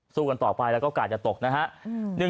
ซู่กันต่อไปแล้วก็อากาศจะตกนะฮะ